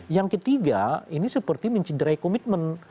yang ketiga ini seperti mencederai komitmen